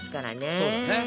そうだね。